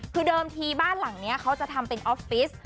คือเดิมทีบ้านหลังนี้เขาจะทำเป็นออฟฟิศ